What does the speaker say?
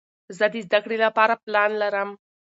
زه د زده کړې له پاره پلان لرم.